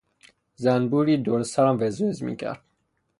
زنبوری دور سرم وز وز میکرد.